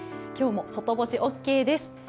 今日も外干しオーケーです。